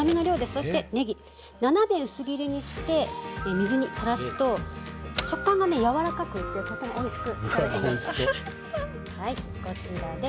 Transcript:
そしてねぎ、斜め薄切りにして水にさらすと食感がね、やわらかくなってとてもおいしくなります。